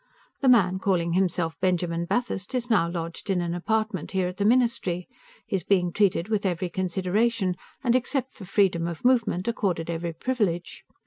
The man calling himself Benjamin Bathurst is now lodged in an apartment here at the Ministry; he is being treated with every consideration, and, except for freedom of movement, accorded every privilege.